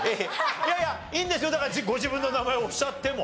いやいやいいんですよだからご自分の名前おっしゃっても。